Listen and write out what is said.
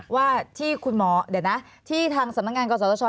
ว่าที่คุณหมอเดี๋ยวนะที่ทางสำนักงานกศช